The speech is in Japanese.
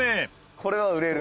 「これは売れる。